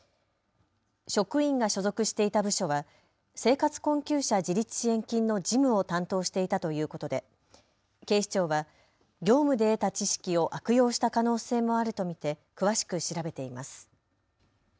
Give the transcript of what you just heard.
職員が所属していた部署は生活困窮者自立支援金の事務を担当していたということで警視庁は業務で得た知識を悪用した可能性もあると見て詳しく調べています。